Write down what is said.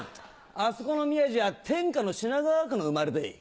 あそこの宮治は天下の品川区の生まれでい！